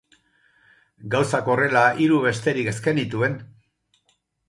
Gauzak horrela, hiru besterik ez genituen.